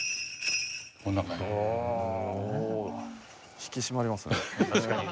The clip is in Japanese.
引き締まりますね。